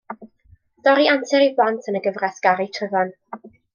Stori antur i blant yn y gyfres Gari Tryfan.